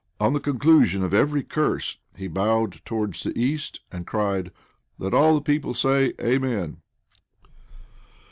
On the conclusion of every curse, he bowed towards the east, and cried, "Let all the people say, Amen."